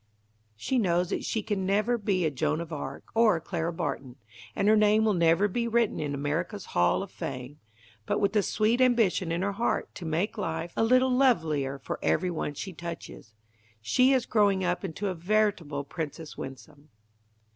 She knows that she can never be a Joan of Arc or a Clara Barton, and her name will never be written in America's hall of fame, but with the sweet ambition in her heart to make life a little lovelier for every one she touches, she is growing up into a veritable Princess Winsome.